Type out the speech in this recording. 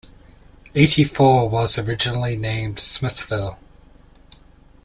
Eighty Four was originally named Smithville.